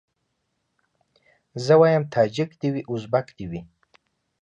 زه وايم تاجک دي وي ازبک دي وي